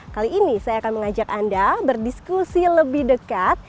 kali ini saya akan mengajak anda berdiskusi lebih dekat